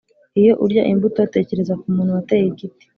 iyo urya imbuto tekereza ku muntu wateye igiti.